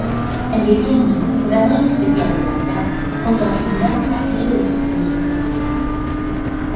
En diciembre, ganó el Especial de Navidad junto al gimnasta Louis Smith.